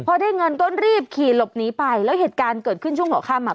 พอได้เงินก็รีบขี่หลบหนีไปแล้วเหตุการณ์เกิดขึ้นช่วงหัวค่ำอ่ะ